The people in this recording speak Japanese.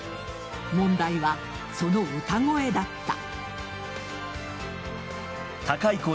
問題は、その歌声だった。